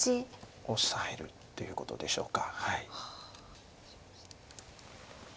オサえるっていうことでしょうか。